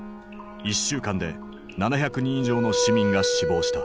１週間で７００人以上の市民が死亡した。